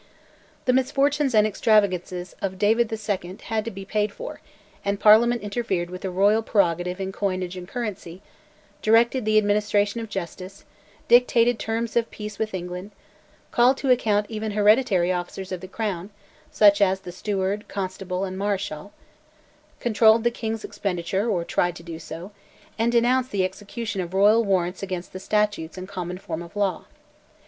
The misfortunes and extravagance of David II. had to be paid for, and Parliament interfered with the Royal prerogative in coinage and currency, directed the administration of justice, dictated terms of peace with England, called to account even hereditary officers of the Crown (such as the Steward, Constable, and Marischal), controlled the King's expenditure (or tried to do so), and denounced the execution of Royal warrants against the Statutes and common form of law.